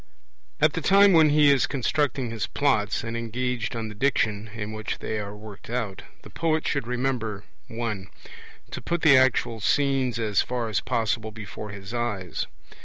17 At the time when he is constructing his Plots, and engaged on the Diction in which they are worked out, the poet should remember (1) to put the actual scenes as far as possible before his eyes.